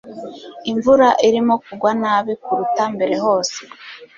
imvura irimo kugwa nabi kuruta mbere hose